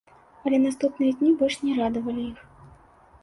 Але наступныя дні больш не радавалі іх.